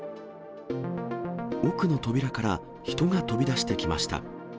奥の扉から人が飛び出してきました。